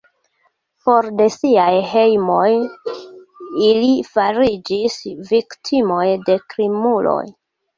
For de siaj hejmoj ili fariĝis viktimoj de krimuloj.